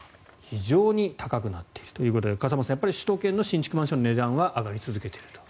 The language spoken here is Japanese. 非常に高くなっているということで笠松さん、首都圏の新築マンションの値段は上がり続けていると。